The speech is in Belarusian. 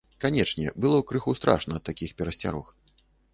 Канечне, было крыху страшна ад такіх перасцярог.